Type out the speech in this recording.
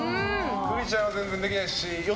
栗ちゃんは全然できないしよ